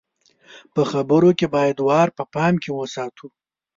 په خبرو کې بايد وار په پام کې وساتو.